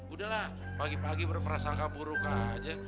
udahlah pagi pagi berprasangka buruk aja